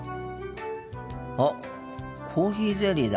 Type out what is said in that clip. あっコーヒーゼリーだ。